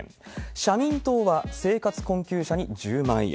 社民党は、生活困窮者に１０万円。